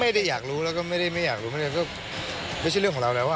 ไม่ได้อยากรู้แล้วก็ไม่ได้ไม่อยากรู้ไม่ใช่เรื่องของเราแล้วอ่ะ